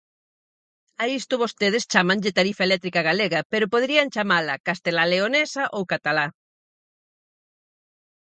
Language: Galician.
A isto vostedes chámanlle tarifa eléctrica galega, pero poderían chamala castelá-leonesa ou catalá.